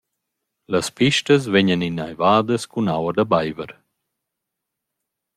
Las pistas vegnan innaivadas cun aua da baiver.